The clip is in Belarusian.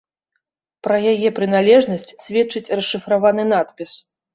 Пра яе прыналежнасць сведчыць расшыфраваны надпіс.